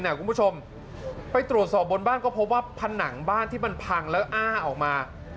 คุณผู้ชมไปตรวจสอบบนบ้านก็พบว่าผนังบ้านที่มันพังแล้วอ้าออกมา